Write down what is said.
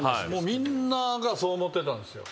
みんながそう思ってたんですよ。